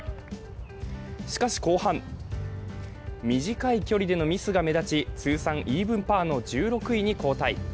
しかし後半、短い距離でのミスが目立ち通算イーブンパーの１６位に後退。